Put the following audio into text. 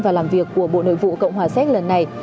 và làm việc của bộ nội vụ cộng hòa séc lần này